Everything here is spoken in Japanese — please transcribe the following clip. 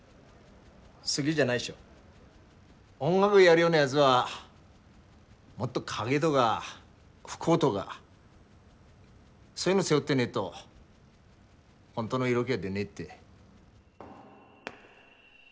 音楽やるようなやづはもっと影とか不幸とかそういうの背負ってねえと本当の色気は出ねえって。